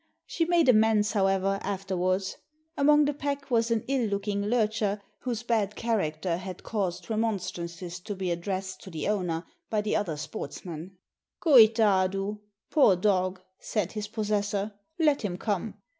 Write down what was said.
She made amends, however, after wards. Among the pack was an ill looking lurcher, whose bad character had caused remonstrances to be addressed 633 PORTUGAL to the owner by the other sportsmen. "Coitado! Poor dog! " said his possessor, "let him come.